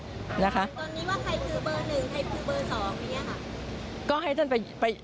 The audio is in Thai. ตอนนี้ว่าใครคือเบอร์หนึ่งใครคือเบอร์สอง